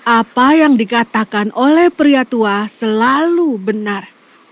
apa yang dikatakan oleh pria tua selalu benar